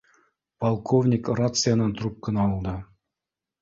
— Полковник рациянан трубканы алды